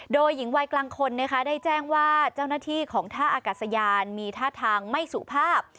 โดยหญิงวัยกลางคนนะคะได้แจ้งว่าเจ้าหน้าที่ของท่าอากาศยานมีท่าทางไม่สุภาพ